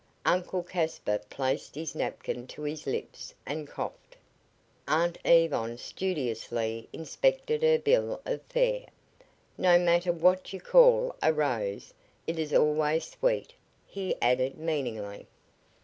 Uncle Caspar placed his napkin to his lips and coughed. Aunt Yvonne studiously inspected her bill of fare. "No matter what you call a rose, it is always sweet," he added, meaningly.